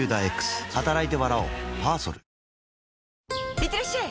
いってらっしゃい！